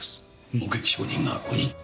目撃証人が５人。